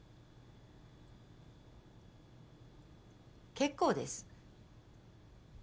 結構です。